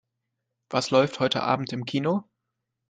Was läuft heute Abend im Kino?